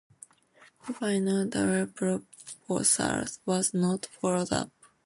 This final double proposal was not followed up.